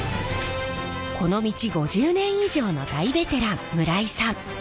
この道５０年以上の大ベテラン村井さん。